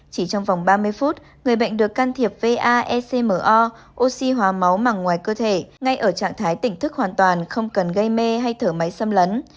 chỉ trong vòng ba mươi phút người bệnh được can thiệp va ecmo oxy hóa máu mẳng ngoài cơ thể ngay ở trạng thái tỉnh thức hoàn toàn không cần gây mê hay thở máy xâm lấn